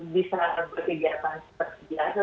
bisa berkegiatan seperti biasa